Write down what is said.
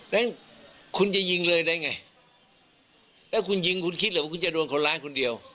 แล้วคุณจะยิงเลยได้ไงแล้วคุณยิงคุณคิดเลยว่าคุณจะโดนคนร้ายคนเดียว